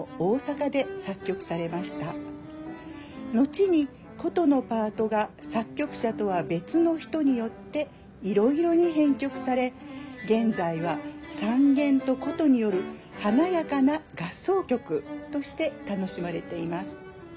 後に箏のパートが作曲者とは別の人によっていろいろに編曲され現在は三絃と箏による華やかな合奏曲として楽しまれています。